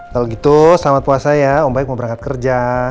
kalau gitu selamat puasa ya om baik mau berangkat kerja